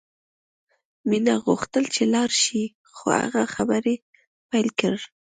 مینه غوښتل چې لاړه شي خو هغه خبرې پیل کړې